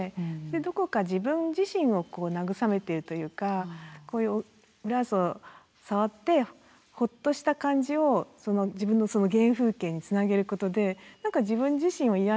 どこか自分自身を慰めているというかブラウスを触ってホッとした感じを自分の原風景につなげることで何か自分自身を癒やしているような。